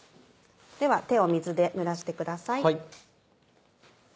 では手を水でぬらしてください。